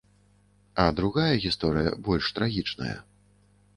А другая гісторыя больш трагічная.